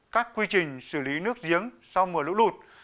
các quy trình xử lý nước giếng sau mùa lũ lụt